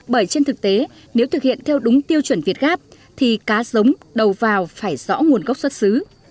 bởi trên thực tế nếu thực hiện theo đúng tiêu chuẩn việt gáp thì cá giống đầu vào phải rõ nguồn gốc xuất xứ